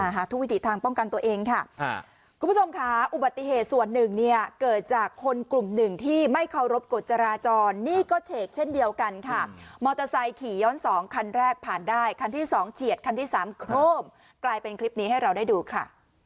ทุกวิถีทางป้องกันตัวเองค่ะคุณผู้ชมค่ะอุบัติเหตุส่วนหนึ่งเนี่ยเกิดจากคนกลุ่มหนึ่งที่ไม่เคารพกฎจราจรนี่ก็เฉกเช่นเดียวกันค่ะมอเตอร์ไซค์ขี่ย้อนสองคันแรกผ่านได้คันที่สองเฉียดคันที่สามโครมกลายเป็นคลิปนี้ให้เราได้ดูค่ะ